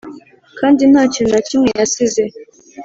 kandi nta kintu na kimwe yasize